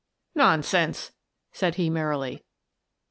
" Nonsense !" said he, merrily.